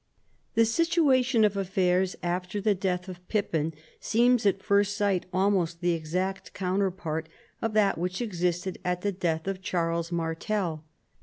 The situation of affairs after the death of Pippin seems at first sight almost the exact counterpart of that wliich existed at the death of Charles Martel.